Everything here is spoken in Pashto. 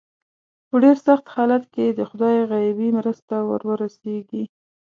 په ډېر سخت حالت کې د خدای غیبي مرسته ور ورسېږي.